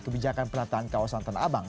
kebijakan penataan kawasan tanah abang